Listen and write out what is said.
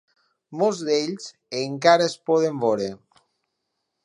Molts d'ells encara es poden veure.